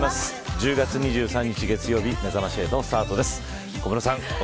１０月２３日月曜日めざまし８スタートです。